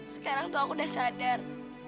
sekarang tuh aku udah sadar